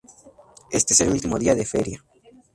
Este es el último día de feria.